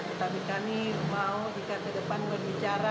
tetapi kami mau jika ke depan berbicara